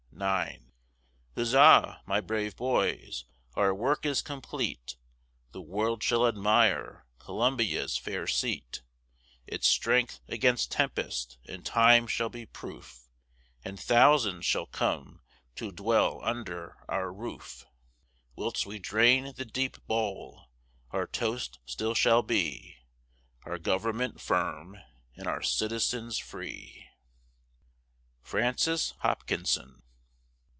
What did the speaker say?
IX Huzza! my brave boys, our work is complete; The world shall admire Columbia's fair seat; Its strength against tempest and time shall be proof, And thousands shall come to dwell under our roof: Whilst we drain the deep bowl, our toast still shall be, Our government firm, and our citizens free. FRANCIS HOPKINSON.